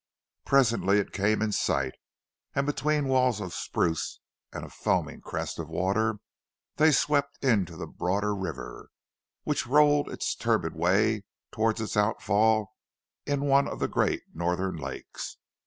Presently it came in sight, and between walls of spruce and a foaming crest of water they swept into the broader river, which rolled its turbid way towards its outfall in one of the great Northern lakes.